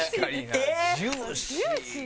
えっ！？